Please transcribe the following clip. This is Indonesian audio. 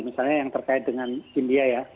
misalnya yang terkait dengan india ya